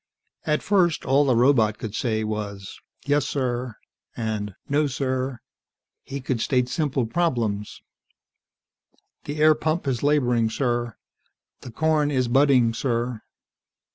At first, all the robot could say was "Yes, sir," and "No, sir." He could state simple problems: "The air pump is laboring, sir." "The corn is budding, sir."